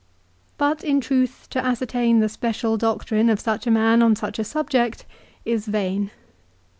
But, in truth, to ascertain the special doctrine of such a man on such a subject is vain.